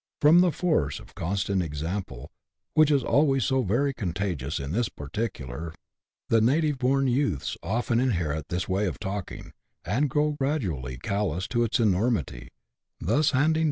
From the force of constant example, which is always so very contagious in this particular, the native born youths often inherit this way of talking, and grow gradually callous to its enormity, thus handing CHAP.